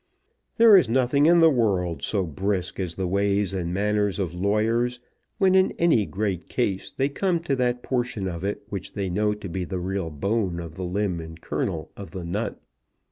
There is nothing in the world so brisk as the ways and manners of lawyers when in any great case they come to that portion of it which they know to be the real bone of the limb and kernel of the nut.